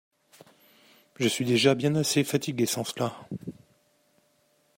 Je suis déjà bien assez fatigué sans cela.